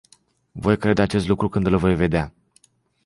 Voi crede acest lucru când îl voi vedea.